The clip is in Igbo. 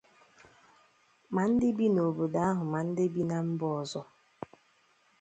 ma ndị bi n'obodo ahụ ma ndị bi na mba ọzọ.